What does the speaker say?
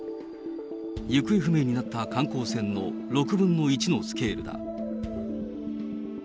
行方不明になった観光船の６分の１のスケールだ。